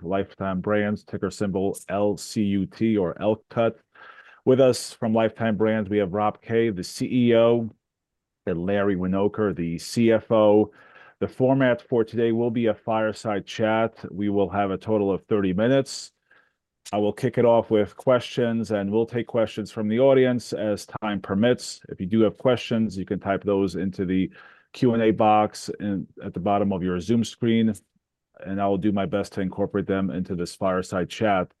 of Lifetime Brands, ticker symbol L-C-U-T or LCUT. With us from Lifetime Brands, we have Rob Kay, the CEO, and Larry Winoker, the CFO. The format for today will be a fireside chat. We will have a total of thirty minutes. I will kick it off with questions, and we'll take questions from the audience as time permits. If you do have questions, you can type those into the Q&A box at the bottom of your Zoom screen, and I will do my best to incorporate them into this fireside chat.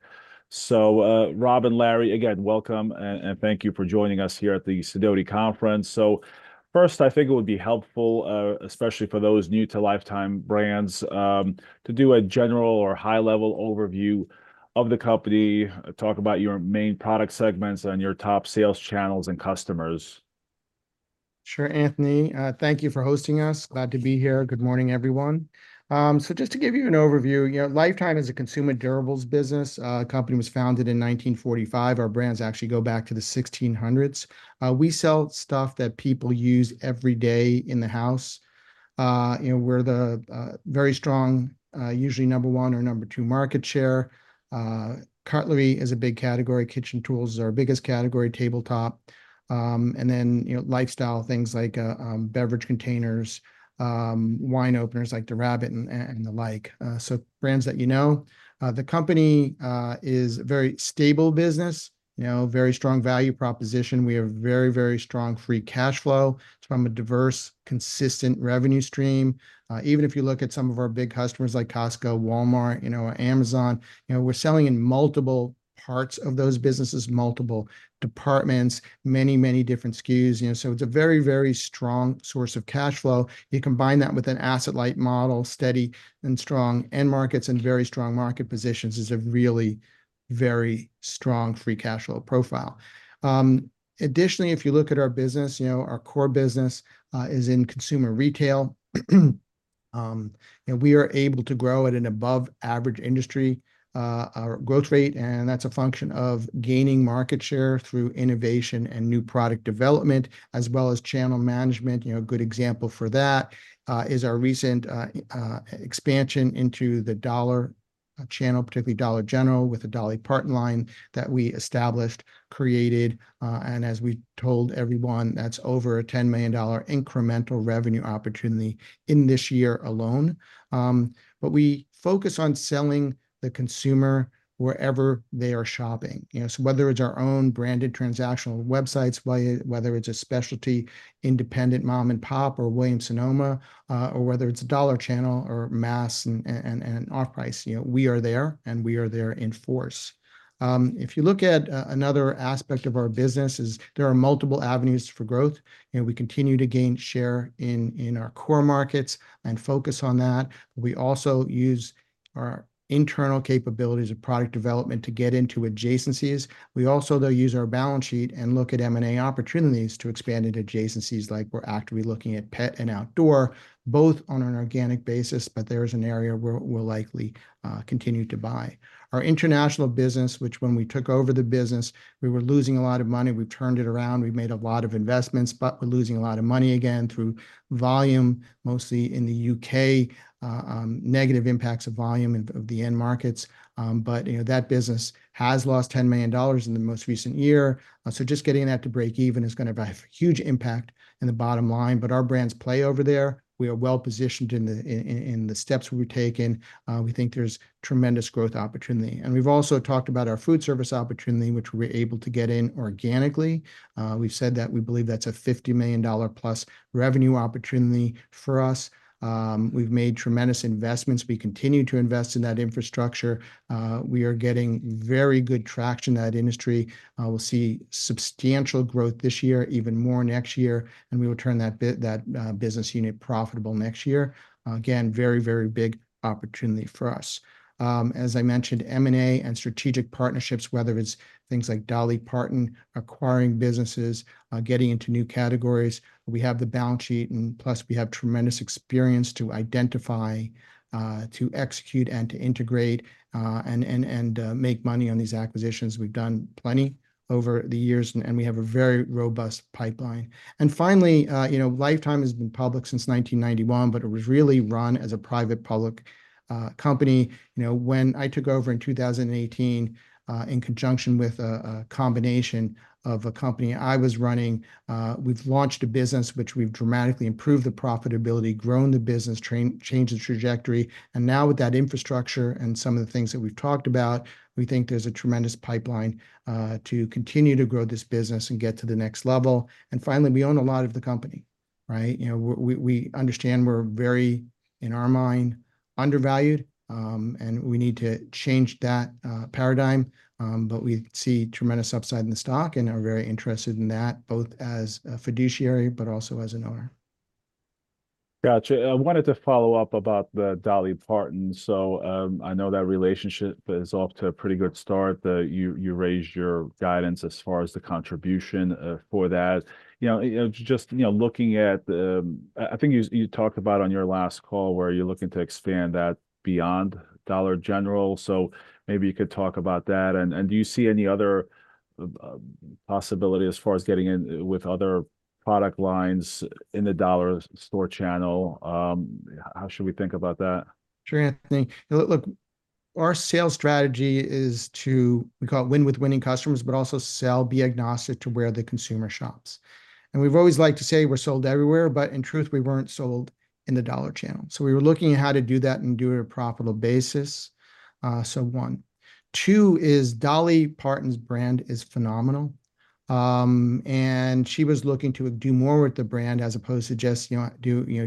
So, Rob and Larry, again, welcome, and thank you for joining us here at the Sidoti Conference. First, I think it would be helpful, especially for those new to Lifetime Brands, to do a general or high-level overview of the company, talk about your main product segments and your top sales channels and customers. Sure, Anthony. Thank you for hosting us. Glad to be here. Good morning, everyone, so just to give you an overview, you know. Lifetime is a consumer durables business. The company was founded in 1945. Our brands actually go back to the 1600s. We sell stuff that people use every day in the house. You know, we're the very strong usually number one or number two market share. Cutlery is a big category. Kitchen tools is our biggest category, tabletop, and then, you know, lifestyle things like beverage containers, wine openers, like the Rabbit and the like, so brands that you know. The company is a very stable business, you know, very strong value proposition. We have very, very strong free cash flow from a diverse, consistent revenue stream. Even if you look at some of our big customers like Costco, Walmart, you know, Amazon, you know, we're selling in multiple parts of those businesses, multiple departments, many, many different SKUs, you know. So it's a very, very strong source of cash flow. You combine that with an asset-light model, steady and strong end markets and very strong market positions, is a really very strong free cash flow profile. Additionally, if you look at our business, you know, our core business is in consumer durables, and we are able to grow at an above-average industry growth rate, and that's a function of gaining market share through innovation and new product development, as well as channel management. You know, a good example for that is our recent expansion into the dollar channel, particularly Dollar General, with the Dolly Parton line that we established, created, and as we told everyone, that's over a $10 million incremental revenue opportunity in this year alone. But we focus on selling the consumer wherever they are shopping, you know, so whether it's our own branded transactional websites, whether it's a specialty independent mom-and-pop or Williams-Sonoma, or whether it's a dollar channel or mass and off-price, you know, we are there, and we are there in force. If you look at another aspect of our business is there are multiple avenues for growth, and we continue to gain share in our core markets and focus on that. We also use our internal capabilities of product development to get into adjacencies. We also, though, use our balance sheet and look at M&A opportunities to expand into adjacencies, like we're actively looking at pet and outdoor, both on an organic basis, but there is an area where we'll likely continue to buy. Our international business, which when we took over the business, we were losing a lot of money. We've turned it around, we've made a lot of investments, but we're losing a lot of money again through volume, mostly in the U.K., negative impacts of volume of the end markets. But you know, that business has lost $10 million in the most recent year, so just getting that to break even is gonna have a huge impact in the bottom line. But our brands play over there. We are well-positioned in the steps we've taken. We think there's tremendous growth opportunity, and we've also talked about our food service opportunity, which we were able to get in organically. We've said that we believe that's a $50 million-plus revenue opportunity for us. We've made tremendous investments. We continue to invest in that infrastructure. We are getting very good traction in that industry. We'll see substantial growth this year, even more next year, and we will turn that business unit profitable next year. Again, very, very big opportunity for us. As I mentioned, M&A and strategic partnerships, whether it's things like Dolly Parton, acquiring businesses, getting into new categories, we have the balance sheet, and plus, we have tremendous experience to identify, to execute and to integrate, and make money on these acquisitions. We've done plenty over the years, and we have a very robust pipeline, and finally, you know, Lifetime has been public since 1991, but it was really run as a private-public company. You know, when I took over in 2018, in conjunction with a combination of a company I was running, we've launched a business which we've dramatically improved the profitability, grown the business, changed the trajectory, and now with that infrastructure and some of the things that we've talked about, we think there's a tremendous pipeline to continue to grow this business and get to the next level, and finally, we own a lot of the company, right? You know, we understand we're very undervalued, in our mind, and we need to change that paradigm. but we see tremendous upside in the stock and are very interested in that, both as a fiduciary, but also as an owner. Gotcha. I wanted to follow up about the Dolly Parton. So, I know that relationship is off to a pretty good start. You raised your guidance as far as the contribution for that. You know, just, you know. I think you talked about on your last call where you're looking to expand that beyond Dollar General, so maybe you could talk about that. And do you see any other possibility as far as getting in with other product lines in the dollar store channel, how should we think about that? Sure, Anthony. Look, our sales strategy is to, we call it win with winning customers, but also sell, be agnostic to where the consumer shops. And we've always liked to say we're sold everywhere, but in truth, we weren't sold in the dollar channel. So we were looking at how to do that and do it on a profitable basis. So one. Two is Dolly Parton's brand is phenomenal, and she was looking to do more with the brand as opposed to just, you know, a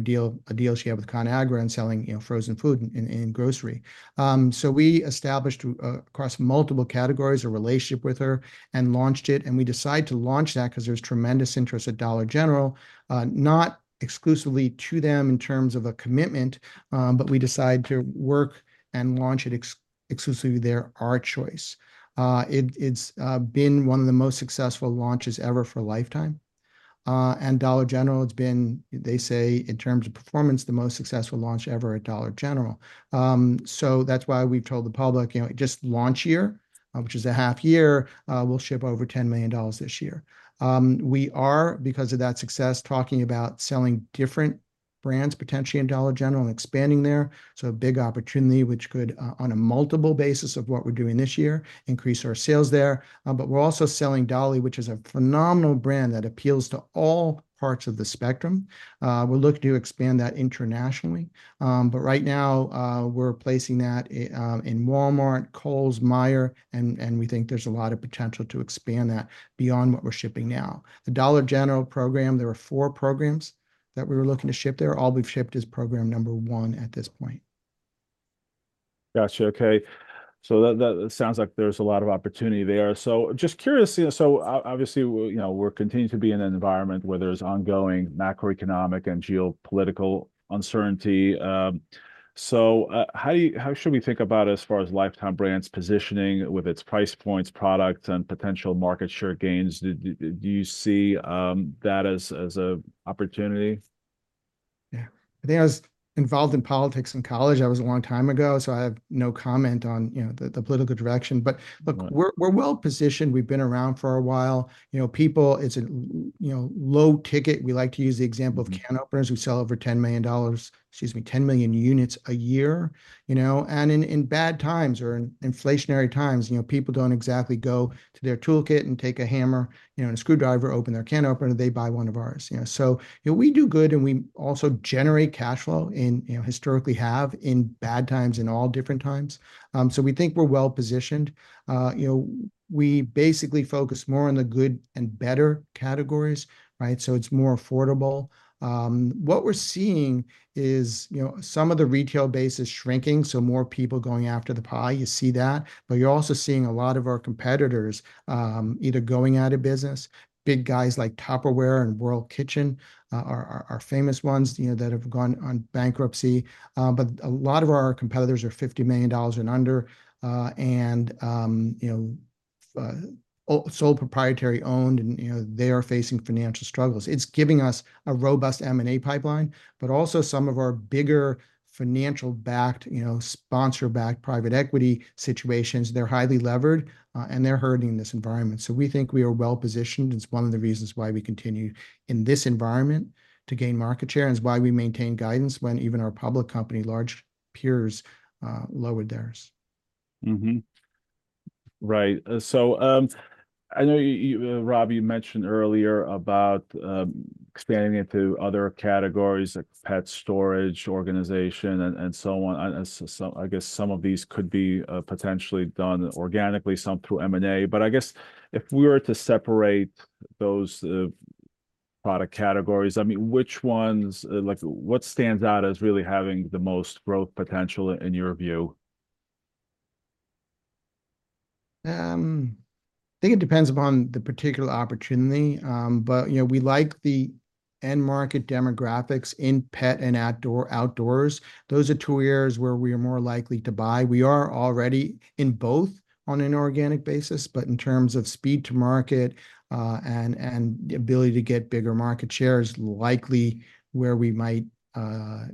deal she had with Conagra and selling, you know, frozen food in grocery. So we established across multiple categories a relationship with her and launched it, and we decided to launch that 'cause there was tremendous interest at Dollar General, not exclusively to them in terms of a commitment, but we decided to work and launch it exclusively there, our choice. It's been one of the most successful launches ever for Lifetime. And Dollar General, it's been, they say, in terms of performance, the most successful launch ever at Dollar General. So that's why we've told the public, you know, just launch year, which is a half year, we'll ship over $10 million this year. We are, because of that success, talking about selling different brands, potentially in Dollar General and expanding there. So a big opportunity which could, on a multiple basis of what we're doing this year, increase our sales there. But we're also selling Dolly, which is a phenomenal brand that appeals to all parts of the spectrum. We're looking to expand that internationally. But right now, we're placing that in Walmart, Kohl's, Meijer, and we think there's a lot of potential to expand that beyond what we're shipping now. The Dollar General program, there are four programs that we were looking to ship there. All we've shipped is program number one at this point. Gotcha. Okay. So that sounds like there's a lot of opportunity there. So just curious, so obviously, you know, we're continuing to be in an environment where there's ongoing macroeconomic and geopolitical uncertainty. So, how should we think about as far as Lifetime Brands' positioning with its price points, products, and potential market share gains? Do you see that as an opportunity? Yeah. I think I was involved in politics in college. That was a long time ago, so I have no comment on, you know, the political direction. But- Right... look, we're well-positioned. We've been around for a while. You know, people, it's a, you know, low ticket. We like to use the example- Mm... of can openers. We sell over $10 million, excuse me, 10 million units a year, you know? And in bad times or in inflationary times, you know, people don't exactly go to their toolkit and take a hammer, you know, and a screwdriver, open their can opener. They buy one of ours, you know. So, you know, we do good, and we also generate cash flow and, you know, historically have in bad times, in all different times. So we think we're well-positioned. You know, we basically focus more on the good and better categories, right? So it's more affordable. What we're seeing is, you know, some of the retail base is shrinking, so more people going after the pie, you see that. But you're also seeing a lot of our competitors, either going out of business, big guys like Tupperware and World Kitchen, are famous ones, you know, that have gone into bankruptcy. But a lot of our competitors are $50 million and under, and, you know, sole proprietary-owned, and, you know, they are facing financial struggles. It's giving us a robust M&A pipeline, but also some of our bigger financial-backed, you know, sponsor-backed private equity situations, they're highly levered, and they're hurting in this environment. So we think we are well-positioned. It's one of the reasons why we continue in this environment to gain market share and it's why we maintain guidance when even our public company, large peers, lowered theirs. Mm-hmm. Right. So, I know you, Rob, you mentioned earlier about expanding into other categories like pet storage, organization, and so on. And so I guess some of these could be potentially done organically, some through M&A. But I guess if we were to separate those product categories, I mean, which ones... Like, what stands out as really having the most growth potential in your view? I think it depends upon the particular opportunity. But, you know, we like the end market demographics in pet and outdoor, outdoors. Those are two areas where we are more likely to buy. We are already in both on an organic basis, but in terms of speed to market, and the ability to get bigger market share is likely where we might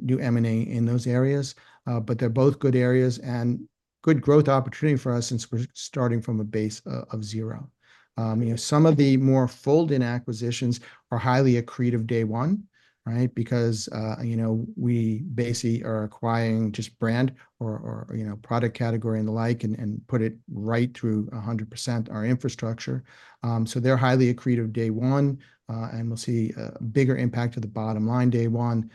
do M&A in those areas. But they're both good areas and good growth opportunity for us since we're starting from a base of zero. You know, some of the more fold-in acquisitions are highly accretive day one, right? Because, you know, we basically are acquiring just brand or, or, you know, product category and the like, and put it right through 100% our infrastructure. So they're highly accretive day one, and we'll see a bigger impact to the bottom line day one.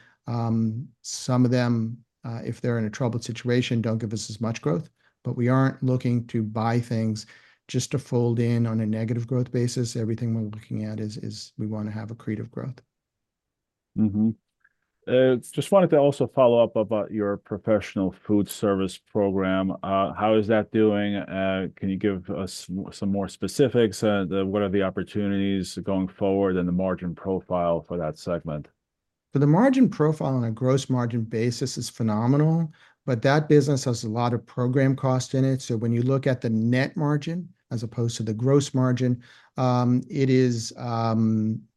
Some of them, if they're in a troubled situation, don't give us as much growth, but we aren't looking to buy things just to fold in on a negative growth basis. Everything we're looking at is we want to have accretive growth. Mm-hmm. Just wanted to also follow up about your professional food service program. How is that doing? Can you give us some more specifics? What are the opportunities going forward and the margin profile for that segment? So the margin profile on a gross margin basis is phenomenal, but that business has a lot of program cost in it, so when you look at the net margin as opposed to the gross margin, it is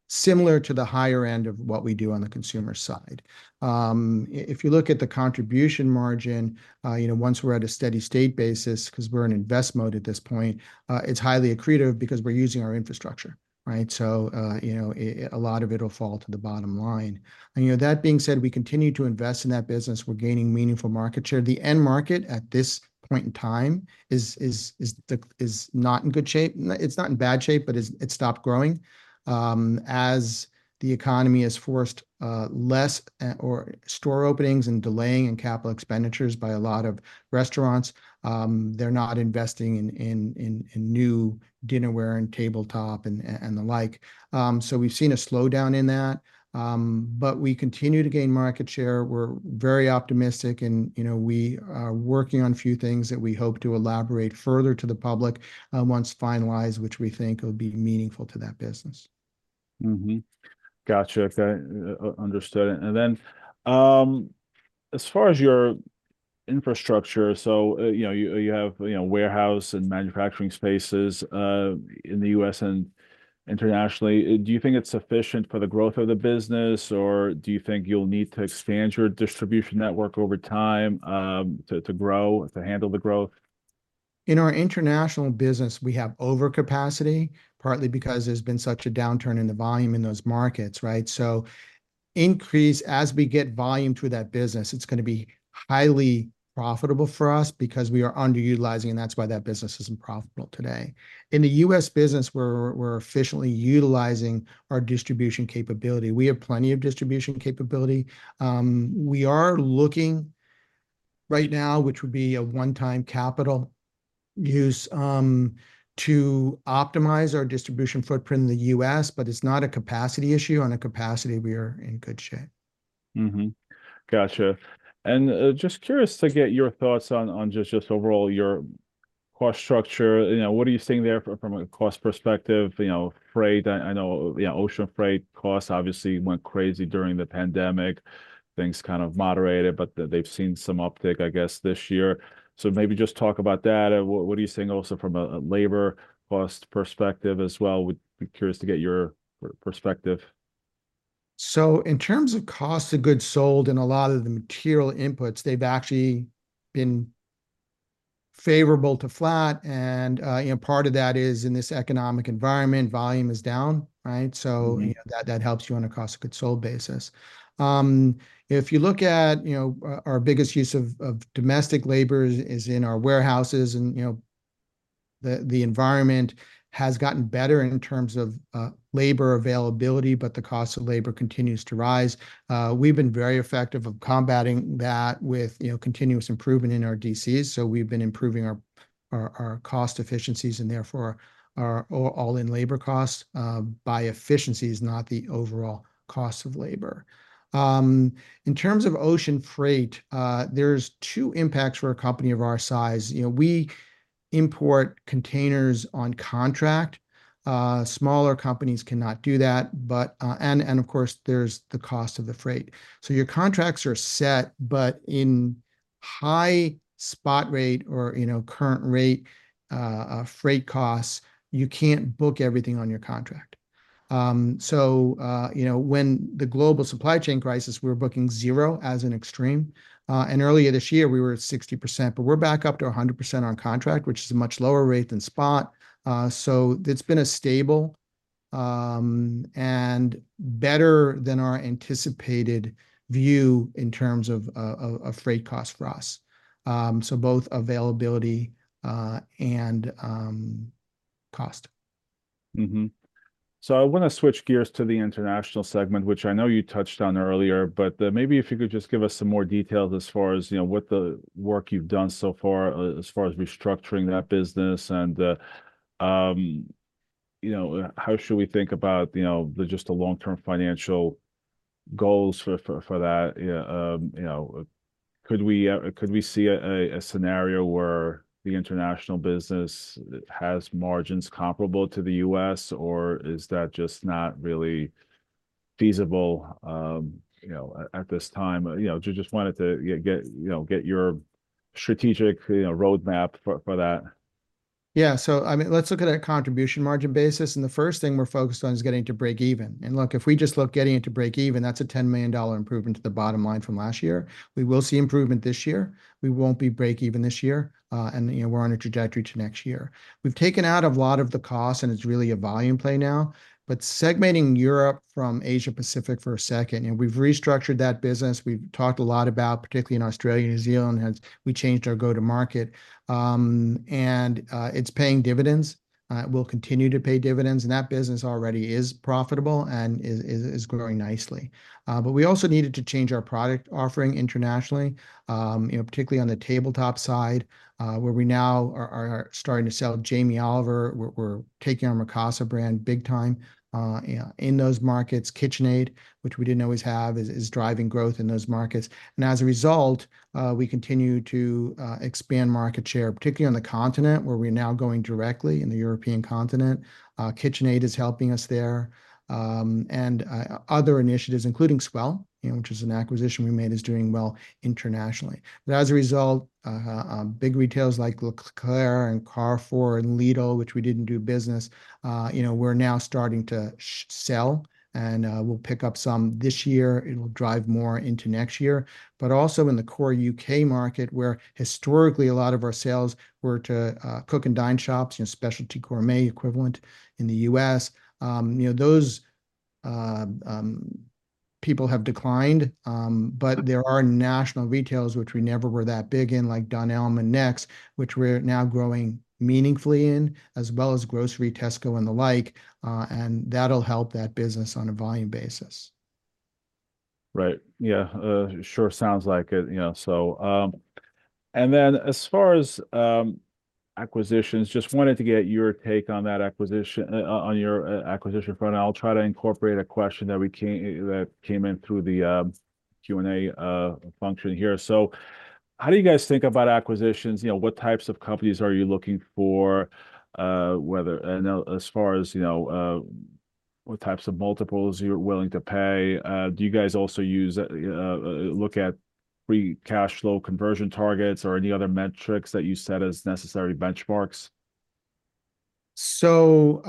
similar to the higher end of what we do on the consumer side. If you look at the contribution margin, you know, once we're at a steady state basis, 'cause we're in invest mode at this point, it's highly accretive because we're using our infrastructure, right? So, you know, a lot of it'll fall to the bottom line. And, you know, that being said, we continue to invest in that business. We're gaining meaningful market share. The end market at this point in time is not in good shape. It's not in bad shape, but it's stopped growing. As the economy has forced fewer store openings and delays in capital expenditures by a lot of restaurants, they're not investing in new dinnerware and tabletop and the like. We've seen a slowdown in that, but we continue to gain market share. We're very optimistic and, you know, we are working on a few things that we hope to elaborate further to the public once finalized, which we think will be meaningful to that business. Mm-hmm. Gotcha. Okay, understood. And then, as far as your infrastructure, so, you know, you have, you know, warehouse and manufacturing spaces, in the U.S. and internationally, do you think it's sufficient for the growth of the business, or do you think you'll need to expand your distribution network over time, to grow, to handle the growth? In our international business, we have overcapacity, partly because there's been such a downturn in the volume in those markets, right? So as we get volume to that business, it's gonna be highly profitable for us because we are underutilizing, and that's why that business isn't profitable today. In the U.S. business, we're efficiently utilizing our distribution capability. We have plenty of distribution capability. We are looking right now, which would be a one-time capital use, to optimize our distribution footprint in the U.S., but it's not a capacity issue. On a capacity, we are in good shape. Mm-hmm. Gotcha. And just curious to get your thoughts on just overall your cost structure. You know, what are you seeing there from a cost perspective, you know, freight? I know, you know, ocean freight costs obviously went crazy during the pandemic. Things kind of moderated, but they've seen some uptick, I guess, this year. So maybe just talk about that, and what are you seeing also from a labor cost perspective as well? We'd be curious to get your perspective. So in terms of cost of goods sold and a lot of the material inputs, they've actually been favorable to flat and, you know, part of that is in this economic environment, volume is down, right? Mm-hmm. So, you know, that helps you on a cost of goods sold basis. If you look at, you know, our biggest use of domestic labor is in our warehouses and, you know, the environment has gotten better in terms of labor availability, but the cost of labor continues to rise. We've been very effective at combating that with, you know, continuous improvement in our DCs, so we've been improving our cost efficiencies, and therefore our all-in labor costs by efficiency is not the overall cost of labor. In terms of ocean freight, there's two impacts for a company of our size. You know, we import containers on contract. Smaller companies cannot do that, but. And of course, there's the cost of the freight. So your contracts are set, but in high spot rate or, you know, current rate, freight costs, you can't book everything on your contract. So, you know, when the global supply chain crisis, we were booking zero as an extreme, and earlier this year we were at 60%, but we're back up to 100% on contract, which is a much lower rate than spot. So it's been a stable, and better than our anticipated view in terms of freight cost for us. So both availability, and cost. Mm-hmm. So I wanna switch gears to the international segment, which I know you touched on earlier, but, maybe if you could just give us some more details as far as, you know, what the work you've done so far, as far as restructuring that business and, you know, how should we think about, you know, the, just the long-term financial goals for, for, for that? Yeah, you know, could we, could we see a, a scenario where the international business has margins comparable to the U.S., or is that just not really feasible, you know, at, at this time? You know, just wanted to get, you know, get your strategic, you know, roadmap for, for that. Yeah, so I mean, let's look at a contribution margin basis, and the first thing we're focused on is getting to breakeven. And look, if we just look getting it to breakeven, that's a $10 million improvement to the bottom line from last year. We will see improvement this year. We won't be breakeven this year, and, you know, we're on a trajectory to next year. We've taken out a lot of the costs, and it's really a volume play now, but segmenting Europe from Asia-Pacific for a second, and we've restructured that business. We've talked a lot about, particularly in Australia and New Zealand, we changed our go-to-market, and it's paying dividends. It will continue to pay dividends, and that business already is profitable and is growing nicely. But we also needed to change our product offering internationally, you know, particularly on the tabletop side, where we now are starting to sell Jamie Oliver. We're taking our Mikasa brand big time in those markets. KitchenAid, which we didn't always have, is driving growth in those markets. And as a result, we continue to expand market share, particularly on the continent, where we're now going directly in the European continent. KitchenAid is helping us there, and other initiatives, including S'well, you know, which is an acquisition we made, is doing well internationally. But as a result, big retailers like Leclerc and Carrefour and Lidl, which we didn't do business, you know, we're now starting to sell, and we'll pick up some this year. It'll drive more into next year. But also in the core U.K. market, where historically a lot of our sales were to cook and dine shops, you know, specialty gourmet equivalent in the U.S., you know, people have declined. But there are national retailers, which we never were that big in, like Dunelm and Next, which we're now growing meaningfully in, as well as grocery, Tesco, and the like. And that'll help that business on a volume basis. Right. Yeah, sure sounds like it, you know. So, and then as far as acquisitions, just wanted to get your take on that acquisition on your acquisition front, and I'll try to incorporate a question that came in through the Q&A function here. So how do you guys think about acquisitions? You know, what types of companies are you looking for? And, as far as, you know, what types of multiples you're willing to pay. Do you guys also use look at free cash flow conversion targets, or any other metrics that you set as necessary benchmarks? Look,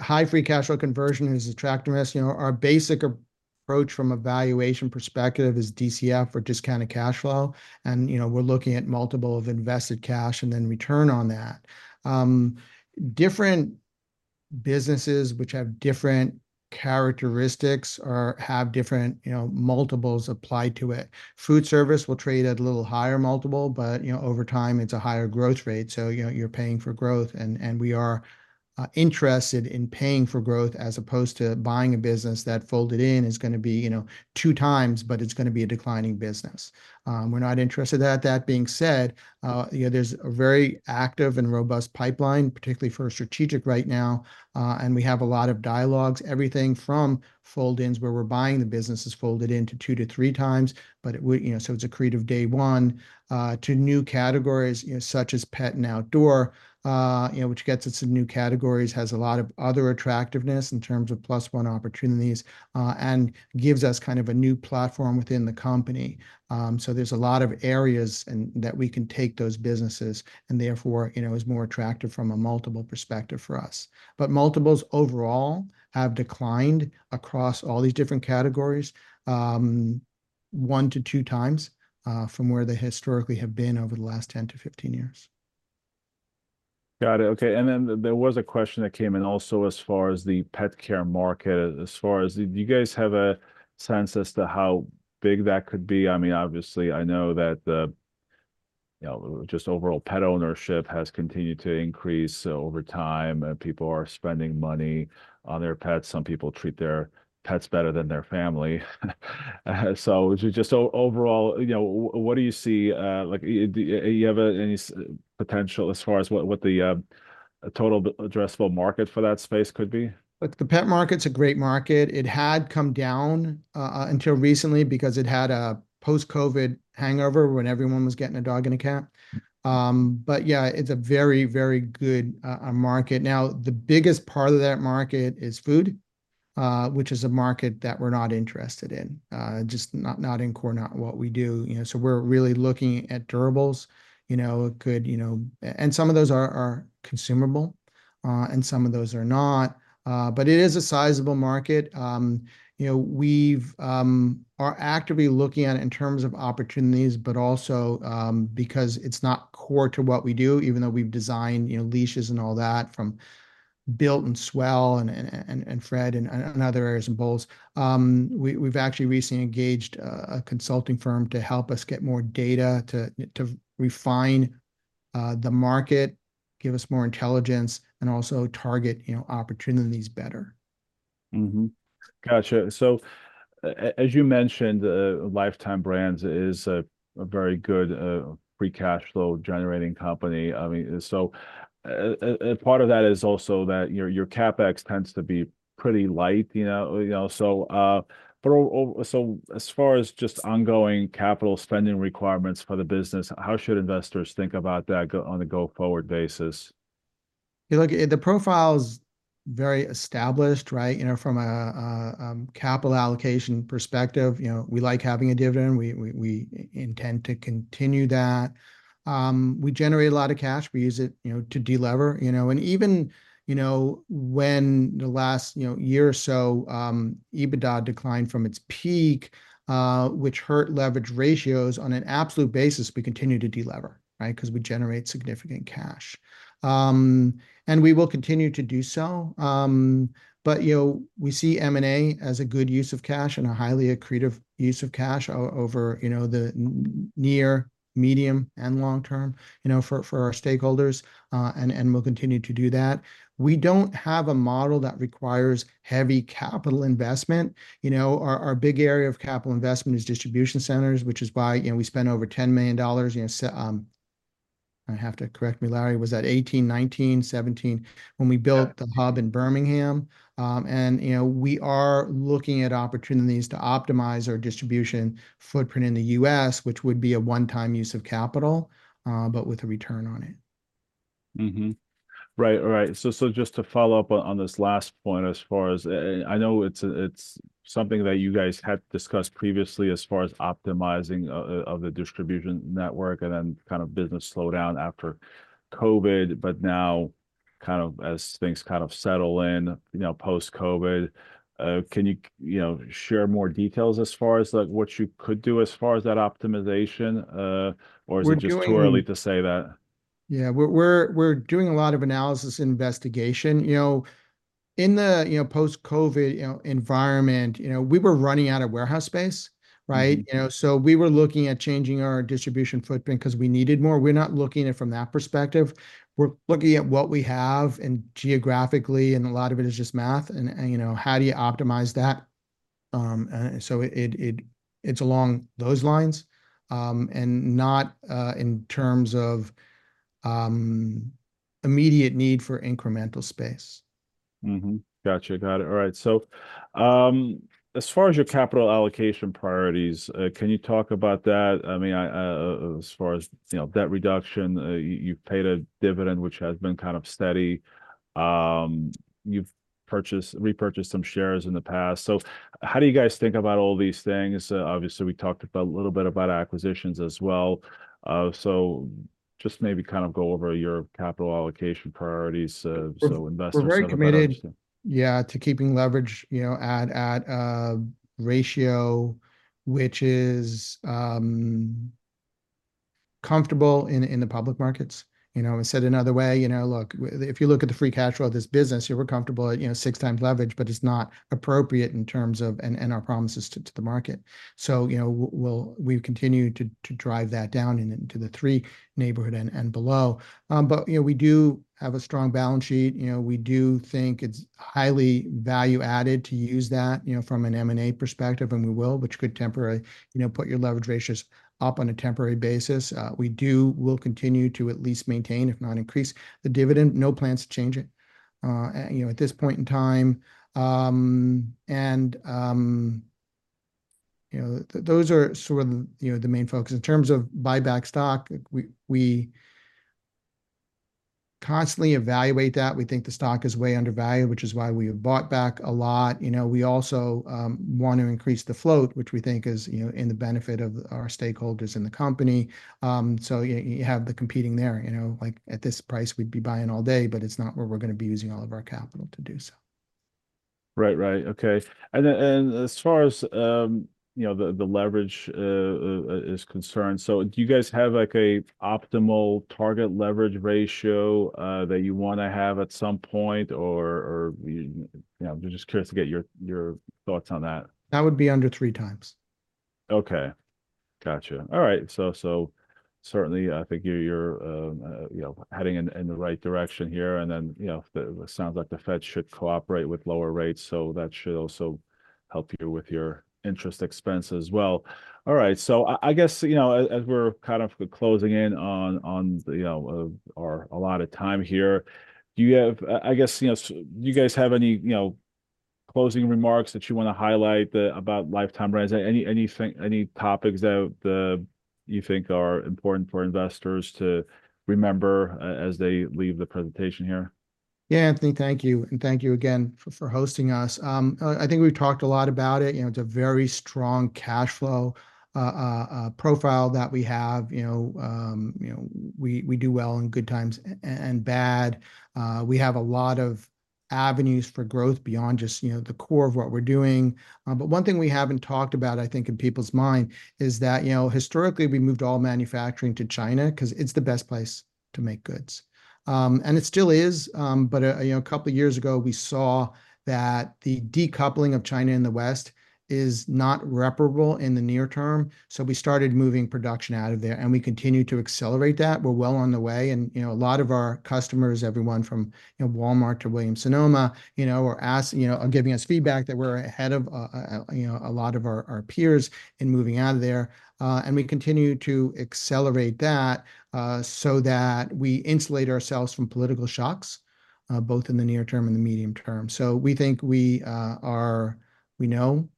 high free cash flow conversion is attractiveness. You know, our basic approach from a valuation perspective is DCF, or discounted cash flow, and, you know, we're looking at multiple of invested cash, and then return on that. Different businesses which have different characteristics or have different, you know, multiples applied to it, food service will trade at a little higher multiple, but, you know, over time, it's a higher growth rate, so, you know, you're paying for growth. And we are interested in paying for growth as opposed to buying a business that, folded in, is gonna be, you know, two times, but it's gonna be a declining business. We're not interested in that. That being said, you know, there's a very active and robust pipeline, particularly for a strategic right now, and we have a lot of dialogues, everything from fold-ins, where we're buying the businesses folded in to two to three times, but you know, so it's accretive day one, to new categories, you know, such as pet and outdoor, you know, which gets us some new categories, has a lot of other attractiveness in terms of plus one opportunities, and gives us kind of a new platform within the company. So there's a lot of areas that we can take those businesses, and therefore, you know, is more attractive from a multiple perspective for us. But multiples overall have declined across all these different categories, one to two times, from where they historically have been over the last 10 to 15 years. Got it. Okay, and then there was a question that came in also as far as the pet care market, as far as, do you guys have a sense as to how big that could be? I mean, obviously, I know that the, you know, just overall pet ownership has continued to increase over time, and people are spending money on their pets. Some people treat their pets better than their family. So just overall, you know, what do you see. Like, do you have any potential as far as what the total addressable market for that space could be? Look, the pet market's a great market. It had come down until recently, because it had a post-COVID hangover when everyone was getting a dog and a cat, but yeah, it's a very, very good market. Now, the biggest part of that market is food, which is a market that we're not interested in, just not in core, not what we do, you know, so we're really looking at durables, you know, a good, you know, and some of those are consumable, and some of those are not, but it is a sizable market. You know, we are actively looking at it in terms of opportunities, but also, because it's not core to what we do, even though we've designed, you know, leashes and all that from Built and S'well and Fred and other areas, and bowls. We've actually recently engaged a consulting firm to help us get more data to refine the market, give us more intelligence, and also target, you know, opportunities better. Mm-hmm. Gotcha. So as you mentioned, Lifetime Brands is a very good free cash flow generating company. I mean, so and part of that is also that your CapEx tends to be pretty light, you know, so. But so as far as just ongoing capital spending requirements for the business, how should investors think about that on a go-forward basis? Look, the profile's very established, right? You know, from a capital allocation perspective, you know, we like having a dividend. We intend to continue that. We generate a lot of cash. We use it, you know, to de-lever, you know? And even when the last year or so, EBITDA declined from its peak, which hurt leverage ratios on an absolute basis, we continued to de-lever, right? 'Cause we generate significant cash. And we will continue to do so. But you know, we see M&A as a good use of cash and a highly accretive use of cash over the near, medium, and long term, you know, for our stakeholders, and we'll continue to do that. We don't have a model that requires heavy capital investment. You know, our big area of capital investment is distribution centers, which is why, you know, we spent over $10 million, you know. Correct me, Larry, was that 2018, 2019, 2017, when we built- Yeah... the hub in Birmingham? And, you know, we are looking at opportunities to optimize our distribution footprint in the U.S., which would be a one-time use of capital, but with a return on it. Right. All right, so just to follow up on this last point as far as... I know it's something that you guys had discussed previously as far as optimizing the distribution network, and then kind of business slowdown after COVID, but now, kind of as things kind of settle in, you know, post-COVID, can you, you know, share more details as far as, like, what you could do as far as that optimization, or is it- We're doing-... just too early to say that? ... Yeah, we're doing a lot of analysis investigation. You know, in the post-COVID environment, you know, we were running out of warehouse space, right? Mm-hmm. You know, so we were looking at changing our distribution footprint 'cause we needed more. We're not looking at it from that perspective. We're looking at what we have, and geographically, and a lot of it is just math, and you know, how do you optimize that, and so it's along those lines, and not in terms of immediate need for incremental space. Mm-hmm. Gotcha. Got it. All right, so, as far as your capital allocation priorities, can you talk about that? I mean, I, as far as, you know, debt reduction, you've paid a dividend, which has been kind of steady. You've purchased- repurchased some shares in the past. So how do you guys think about all these things? Obviously we talked about, a little bit about acquisitions as well. So just maybe kind of go over your capital allocation priorities, so investments- We're very committed-... Yeah... to keeping leverage, you know, at a ratio which is comfortable in the public markets. You know, said another way, you know, look, if you look at the free cash flow of this business, yeah, we're comfortable at, you know, six times leverage, but it's not appropriate in terms of... and our promises to the market. So, you know, we've continued to drive that down and into the threes neighborhood and below. But, you know, we do have a strong balance sheet. You know, we do think it's highly value added to use that, you know, from an M&A perspective, and we will, which could temporarily, you know, put your leverage ratios up on a temporary basis. We do, we'll continue to at least maintain, if not increase the dividend. No plans to change it, you know, at this point in time. Those are sort of the, you know, the main focus. In terms of buyback stock, we constantly evaluate that. We think the stock is way undervalued, which is why we have bought back a lot. You know, we also want to increase the float, which we think is, you know, in the benefit of our stakeholders in the company. You have the competing there, you know. Like, at this price, we'd be buying all day, but it's not where we're gonna be using all of our capital to do so. Right. Right. Okay. And then, and as far as, you know, the leverage is concerned, so do you guys have, like, a optimal target leverage ratio that you wanna have at some point? Or, you know, I'm just curious to get your thoughts on that. That would be under three times. Okay. Gotcha. All right, so certainly, I think you're, you know, heading in the right direction here, and then, you know, it sounds like the Fed should cooperate with lower rates, so that should also help you with your interest expense as well. All right, so I guess, you know, as we're kind of closing in on, you know, our allotted time here, do you have... I guess, you know, do you guys have any, you know, closing remarks that you wanna highlight about Lifetime Brands? Any topics that you think are important for investors to remember as they leave the presentation here? Yeah, Anthony, thank you, and thank you again for hosting us. I think we've talked a lot about it, you know, it's a very strong cash flow profile that we have. You know, you know, we do well in good times and bad. We have a lot of avenues for growth beyond just, you know, the core of what we're doing. But one thing we haven't talked about, I think, in people's mind is that, you know, historically, we moved all manufacturing to China 'cause it's the best place to make goods. And it still is, but, you know, a couple of years ago, we saw that the decoupling of China and the West is not reparable in the near term, so we started moving production out of there, and we continue to accelerate that. We're well on the way, and, you know, a lot of our customers, everyone from, you know, Walmart to Williams-Sonoma, you know, are asking. You know, are giving us feedback that we're ahead of, you know, a lot of our peers in moving out of there, and we continue to accelerate that, so that we insulate ourselves from political shocks, both in the near term and the medium term, so we think we know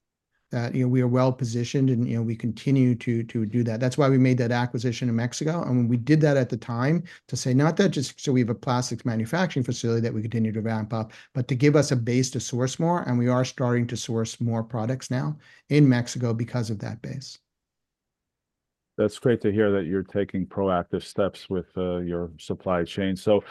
that, you know, we are well-positioned, and, you know, we continue to do that. That's why we made that acquisition in Mexico, and we did that at the time to say, not that just so we have a plastics manufacturing facility that we continue to ramp up, but to give us a base to source more, and we are starting to source more products now in Mexico because of that base. That's great to hear that you're taking proactive steps with your supply chain. So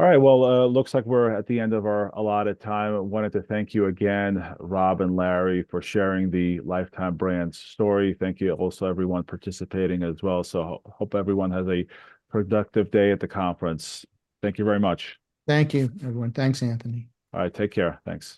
all right, well, looks like we're at the end of our allotted time. I wanted to thank you again, Rob and Larry, for sharing the Lifetime Brands story. Thank you also everyone participating as well. So hope everyone has a productive day at the conference. Thank you very much. Thank you, everyone. Thanks, Anthony. All right, take care. Thanks.